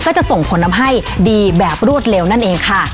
จะส่งผลทำให้ดีแบบรวดเร็วนั่นเองค่ะ